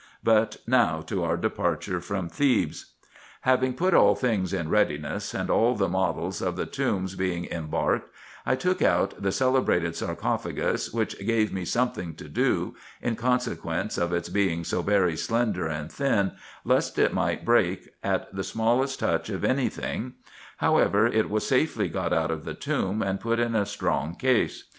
But now to our departure from Thebes. Having put all things in readiness, and all the models of the tombs being embarked, 1 took out the celebrated sarcophagus, which gave me something to do (in consequence of its being so very slender and thin), lest it might break at the smallest touch of any thing : however, it was safely got out of the tomb and put in a strong case.